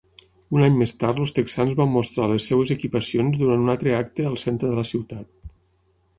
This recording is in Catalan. Un any més tard els Texans van mostrar les seves equipacions durant un altre acte al centre de la ciutat.